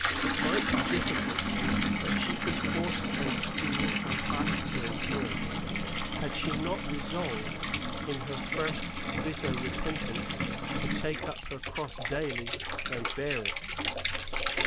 It might be difficult; but she could force and school her heart to endurance. Had she not resolved, in her first bitter repentance, to take up her cross daily, and bear it?